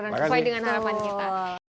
dan sesuai dengan harapan kita